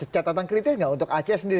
catatan kritis nggak untuk aceh sendiri